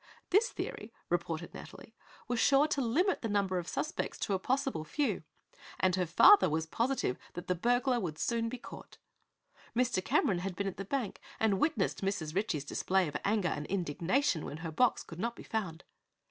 This theory, reported Nathalie, was sure to limit the number of suspects to a possible few and her father was positive that the burglar would soon be caught. Mr. Cameron had been at the bank and witnessed Mrs. Ritchie's display of anger and indignation when her box could not be found.